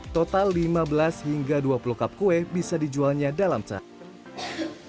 total lima belas hingga dua puluh cup kue bisa dijualnya dalam sehari